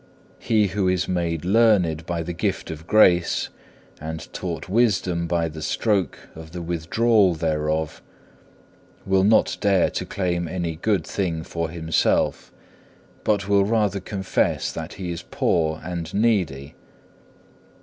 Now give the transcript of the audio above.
He who is made learned by the gift of grace and taught wisdom by the stroke of the withdrawal thereof, will not dare to claim any good thing for himself, but will rather confess that he is poor and needy.